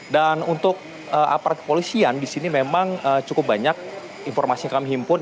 dan untuk aparat kepolisian di sini memang cukup banyak informasi kami himpun